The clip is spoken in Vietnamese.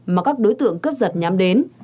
mà các đối tượng cướp giật nhám đến